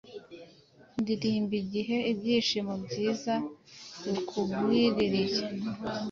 ndirimba igihe; Ibyishimo byiza bikugwiririye!